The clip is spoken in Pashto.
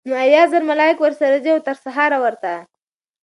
نو اويا زره ملائک ورسره ځي؛ او تر سهاره ورته